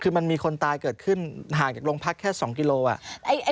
คือมันมีคนตายเกิดขึ้นห่างจากโรงพักแค่๒กิโลอ่ะ